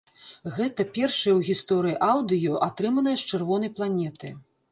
Гэта першае ў гісторыі аўдыё, атрыманае з чырвонай планеты.